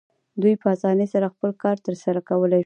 دوی په اسانۍ سره خپل کار ترسره کولی شو.